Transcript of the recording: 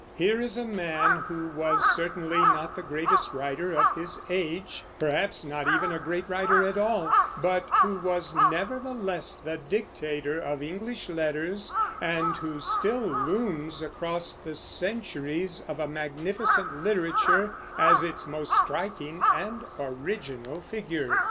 Here is a man who was certainly not the greatest writer of his age, perhaps not even a great writer at all, but who was nevertheless the dictator of English letters, and who still looms across the centuries of a magnificent literature as its most striking and original figure.